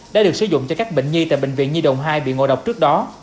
đã được sử dụng cho các bệnh nhi tại bệnh viện nhi đồng hai bị ngộ độc trước đó